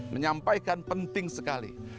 menyampaikan penting sekali